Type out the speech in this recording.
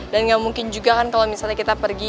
dan gak mungkin juga kan kalau misalnya kita pergi